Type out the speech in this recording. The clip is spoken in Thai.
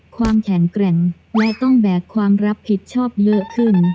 ความแข็งแกร่งและต้องแบกความรับผิดชอบเยอะขึ้น